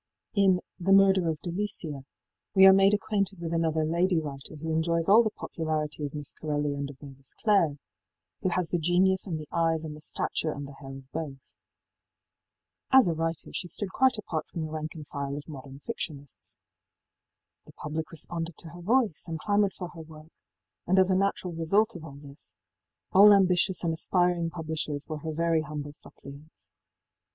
In ëThe Murder of Deliciaí we are made acquainted with another lady writer who enjoys all the popularity of Miss Corelli and of ëMavis Clare,í who has the genius and the eyes and the stature and the hair of both. ëAs a writer she stood quite apart from the rank and file of modern fictionists.í ëThe public responded to her voice, and clamoured for her work, and as a natural result of this, all ambitious and aspiring publishers were her very humble suppliants.